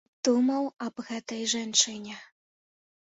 Думаў аб гэтай жанчыне.